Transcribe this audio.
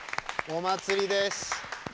お祭りです！